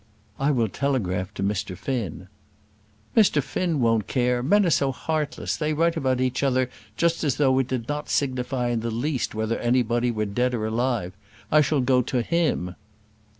"I will telegraph to Mr. Finn." "Mr. Finn won't care. Men are so heartless. They write about each other just as though it did not signify in the least whether anybody were dead or alive. I shall go to him."